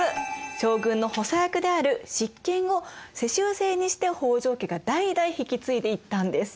将軍の補佐役である執権を世襲制にして北条家が代々引き継いでいったんです。